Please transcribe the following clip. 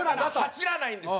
走らないんです。